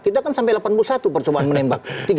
kita kan sampai delapan puluh satu percobaan menembak